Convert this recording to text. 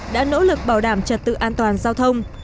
đã nỗ lực bảo đảm trật tự an toàn giao thông